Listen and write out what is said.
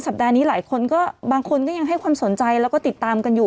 ปัดนี้หลายคนก็บางคนก็ยังให้ความสนใจแล้วก็ติดตามกันอยู่